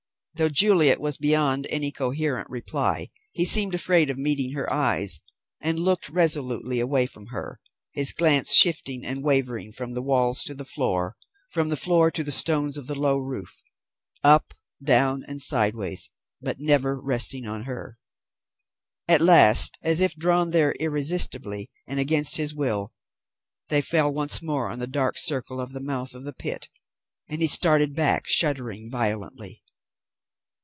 Though Juliet was beyond any coherent reply, he seemed afraid of meeting her eyes, and looked resolutely away from her, his glance shifting and wavering from the walls to the floor, from the floor to the stones of the low roof; up, down, and sideways, but never resting on her. At last, as if drawn there irresistibly and against his will, they fell once more on the dark circle of the mouth of the pit, and he started back, shuddering violently.